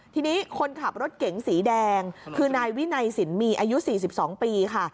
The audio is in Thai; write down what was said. ทีนี้คนขับรถเก๋งสีแดงคือนายวินัยสินมีอายุ๔๒ปีค่ะ